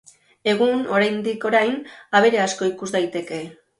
Egun, oraindik orain, abere asko ikus daiteke.